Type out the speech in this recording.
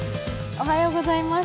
おはようございます。